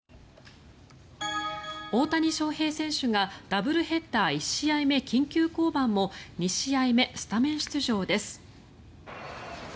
大谷翔平選手がダブルヘッダー１試合目緊急降板も２試合目、スタメン出場です。